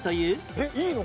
えっいいの？